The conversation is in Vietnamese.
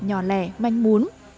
nhỏ lẻ manh muốn